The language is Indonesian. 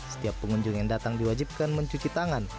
setiap pengunjung yang datang diwajibkan mencuci tangan